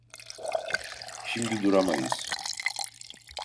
Şimdi duramayız.